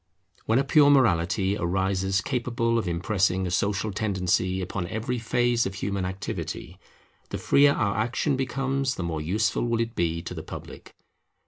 When a pure morality arises capable of impressing a social tendency upon every phase of human activity, the freer our action becomes the more useful will it be to the public.